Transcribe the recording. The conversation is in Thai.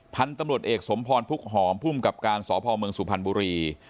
ท่านตำรวจเอกสมพรพุกหอมพุ่มกับการสอบภอมเมืองสุพรรณบุรี